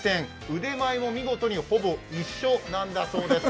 腕前も見事にほぼ一緒なんだそうです。